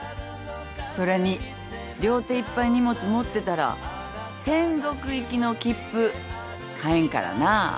それに両手いっぱい荷物持ってたら天国行きの切符買えんからな